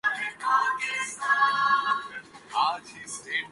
والے جلسے اور جلوس نہیں دیکھ رہے؟